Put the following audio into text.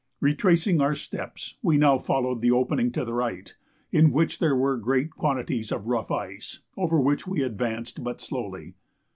Retracing our steps, we now followed the opening to the right, in which there were great quantities of rough ice, over which we advanced but slowly.